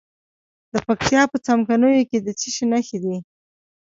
د پکتیا په څمکنیو کې د څه شي نښې دي؟